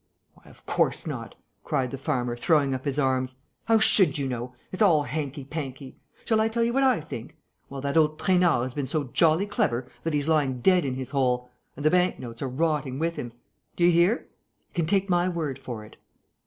"Why, of course not!" cried the farmer, throwing up his arms. "How should you know! It's all hanky panky. Shall I tell you what I think? Well, that old Trainard has been so jolly clever that he's lying dead in his hole ... and the bank notes are rotting with him. Do you hear? You can take my word for it."